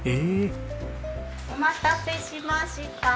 お待たせしました！